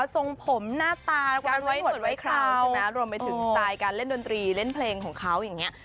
ส่งผมหน้าตารวมไปถึงสไตล์เล่นดนตรีเล่นเพลงของเขาอย่างเนี่ย